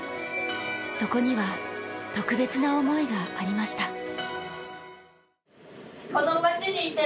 そこには、特別な思いがありました。